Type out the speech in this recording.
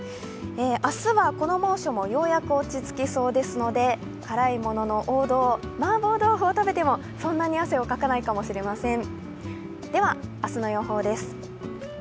明日はこの猛暑もようやく落ち着きそうですので辛いものの王道・マーボー豆腐を食べてもそんなに汗をかかないかもしれません。